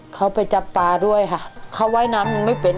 เขาไปจับปลาด้วยค่ะเขาว่ายน้ำยังไม่เป็น